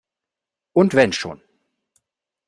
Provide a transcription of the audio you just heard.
Und wenn schon!